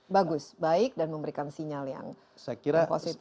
bagus baik dan memberikan sinyal yang positif